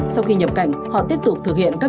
sau khi nhập cảnh họ tiếp tục thực hiện các